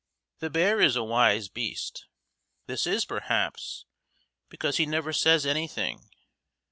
The bear is a wise beast. This is, perhaps, because he never says anything.